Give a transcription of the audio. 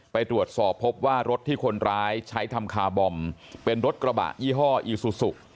ไปตรวจสอบพบว่ารถที่คนร้ายใช้ทำคาร์บอมเป็นรถกระบะยี่ห้ออีซูซุ